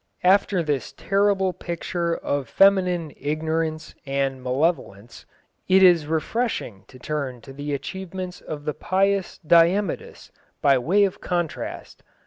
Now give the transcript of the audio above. After this terrible picture of feminine ignorance and malevolence, it is refreshing to turn to the achievements of the pious Diemudis, by way of contrast.